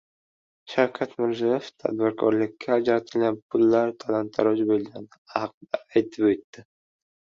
Shavkat Mirziyoyev tadbirkorlikka ajratilgan pullar talon-toroj bo‘lgani haqida aytib o‘tdi.